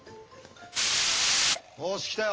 よし来たよ